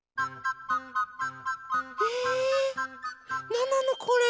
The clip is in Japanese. なんなのこれ？